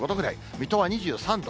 水戸は２３度。